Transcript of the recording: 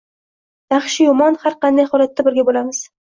Yaxshi-yomon har qanday holatda birga boʻlamiz